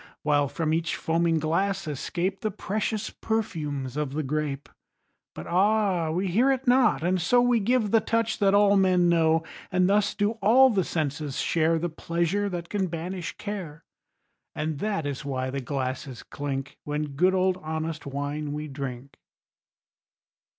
While from each foaming glass escape The precious perfumes of the grape. But ah, we hear it not, and so We give the touch that all men know. And thus do all the senses share The pleasure that can banish care. And that is why the glasses clink When good old honest wine we drink.